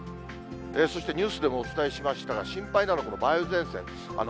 そしてニュースでもお伝えしましたが、心配なのが、この梅雨前線です。